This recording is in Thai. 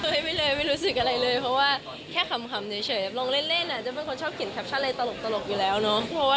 ไม่เลยไม่รู้สึกอะไรเลยเพราะว่าแค่ขำเฉยลงเล่นจะเป็นคนชอบเขียนแคปชั่นอะไรตลกอยู่แล้วเนอะ